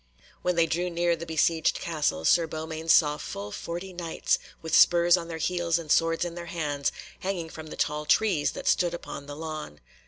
When they drew near the besieged castle Sir Beaumains saw full forty Knights, with spurs on their heels and swords in their hands, hanging from the tall trees that stood upon the lawn.